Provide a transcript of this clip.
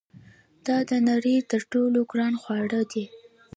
دا د نړۍ تر ټولو ګران خواړه دي.